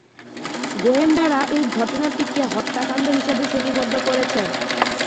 গোয়েন্দারা এই ঘটনাটিকে হত্যাকাণ্ড হিসেবে শ্রেণীবদ্ধ করেছেন।